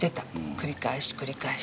繰り返し繰り返し。